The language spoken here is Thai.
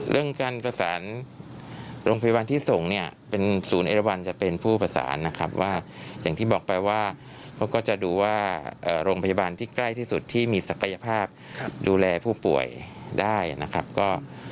เรื่องการประสานโรงพยาบาลที่ส่งเนี่ยเป็นศูนย์เอราวันจะเป็นผู้ประสานนะครับว่าอย่างที่บอกไปว่าเขาก็จะดูว่าโรงพยาบาลที่ใกล้ที่สุดที่มีศักยภาพดูแลผู้ป่วยได้นะครับ